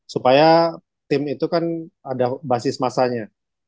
supaya tim itu kan ada basis masanya